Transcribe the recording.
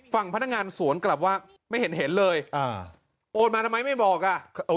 ฝั่งพนักงานสวนกลับว่าไม่เห็นเห็นเลยโอนมาทำไมไม่บอกอ่ะ